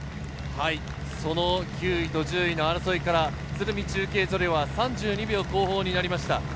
９位と１０位の争いから鶴見中継所では３２秒後方になりました。